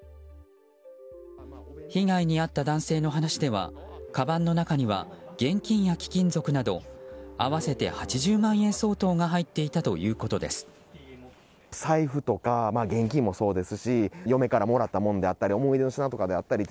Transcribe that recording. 被害に遭った男性の話ではかばんの中には現金や貴金属など合わせて８０万円相当が入っていたということです。